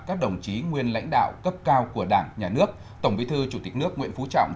các đồng chí nguyên lãnh đạo cấp cao của đảng nhà nước tổng bí thư chủ tịch nước nguyễn phú trọng